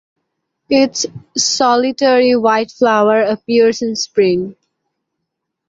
Its solitary white flower appears in spring.